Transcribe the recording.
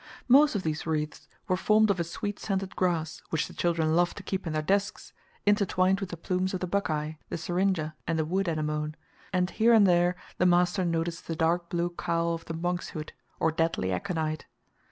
Most of these wreaths were formed of a sweet scented grass, which the children loved to keep in their desks, intertwined with the plumes of the buckeye, the syringa, and the wood anemone, and here and there the master noticed the dark blue cowl of the monkshood, or deadly aconite.